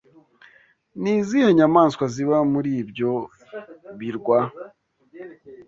Ni izihe nyamaswa ziba muri ibyo birwa?